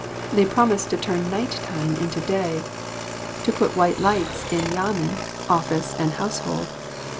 They promised to turn night time into day, to put white lights in Yamen, office, and house hold.